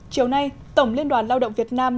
chiều nay tổng liên đoàn lao động việt nam